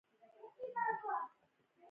مومن خان چې ولاړ د زبردست کلا ته.